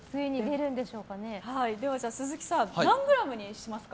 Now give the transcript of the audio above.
では鈴木さん何グラムにしますか？